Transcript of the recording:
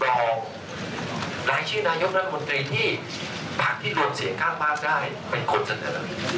หลายชื่อนายกนัธมนตรีที่ภาคที่รวมเสียงข้างมากได้เป็นคนสันดิบ